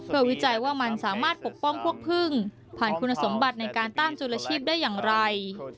เพื่อวิจัยว่ามันสามารถปกป้องพวกพึ่งผ่านคุณสมบัติในการต้านจุลชีพได้อย่างไร